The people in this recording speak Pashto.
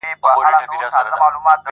کار خو په خپلو کيږي کار خو په پرديو نه سي~